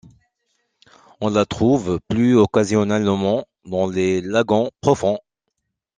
On la trouve plus occasionnellement dans les lagons profonds.